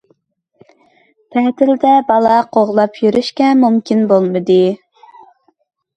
تەتىلدە بالا قوغلاپ يۈرۈشكە مۇمكىن بولمىدى.